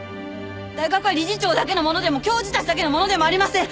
大学は理事長だけのものでも教授たちのだけのものでもありません。